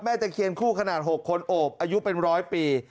ตะเคียนคู่ขนาด๖คนโอบอายุเป็นร้อยปี